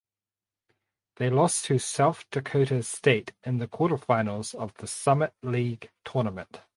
They lost to South Dakota State in the quarterfinals of the Summit League Tournament.